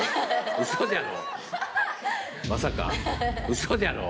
ウソじゃろ。